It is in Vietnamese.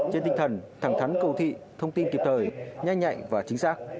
trên tinh thần thẳng thắn cầu thị thông tin kịp thời nhanh nhạy và chính xác